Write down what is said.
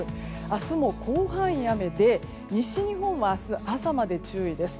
明日も広範囲雨で西日本は明日、朝まで注意です。